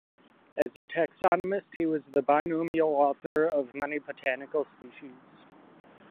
As a taxonomist, he was the binomial author of many botanical species.